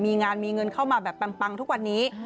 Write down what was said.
มีงานมีเงินเข้ามาแบบปังทุกวันนี้